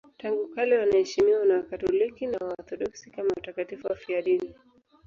Tangu kale wanaheshimiwa na Wakatoliki na Waorthodoksi kama watakatifu wafiadini.